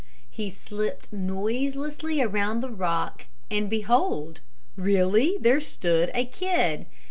He slipped noiselessly around the rock and behold, really there stood a kid.